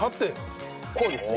こうですね？